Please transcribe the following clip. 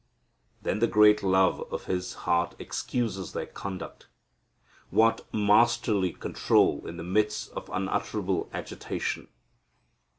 Then the great love of His heart excuses their conduct. What masterly control in the midst of unutterable agitation!